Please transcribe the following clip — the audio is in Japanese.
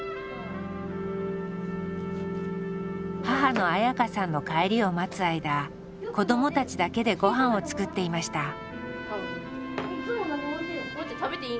母の綾香さんの帰りを待つ間子どもたちだけでごはんを作っていました。